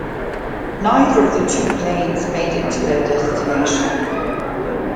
Neither of the two planes made it to their destination.